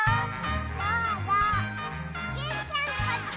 どうぞジュンちゃんこっち！